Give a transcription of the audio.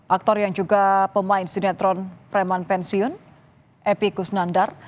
aktor yang juga pemain sinetron preman pensiun epi kusnandar